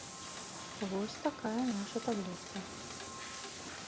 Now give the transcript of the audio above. Вось такая наша таблетка.